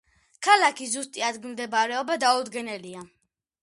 ქალაქის ზუსტი ადგილმდებარეობა დაუდგენელია.